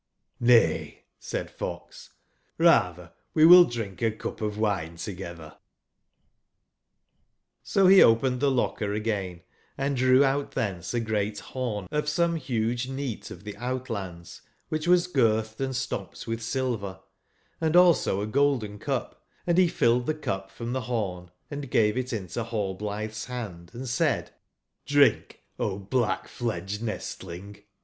^ay ,'' said fox, "rather we wil l drink a cup of wine together/' O be opened tbe locker again & drew out thence a great horn of some huge neat of tbe ou tlands, which was girth ed and stopped with silver, and also a golden cup, and be filled the cup from the horn and gave it into nallblithe's hand and said: "Drink, O black/fiedged nestling!